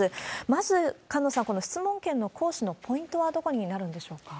まず菅野さん、この質問権の行使のポイントはどこになるんでしょうか？